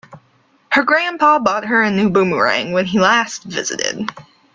Her grandpa bought her a new boomerang when he last visited.